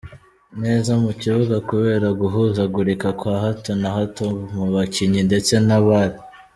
neza mu kibuga kubera guhuzagurika kwa hato na hato mu bakinnyi ndetse nabari.